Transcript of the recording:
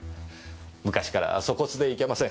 昔から粗忽でいけません。